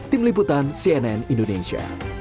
tim liputan cnn indonesia